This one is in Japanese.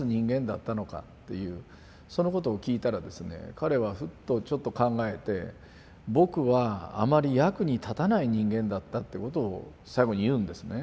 彼はふっとちょっと考えて僕はあまり役に立たない人間だったってことを最後に言うんですね。